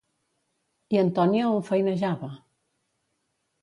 I Antònia on feinejava?